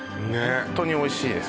ホントにおいしいです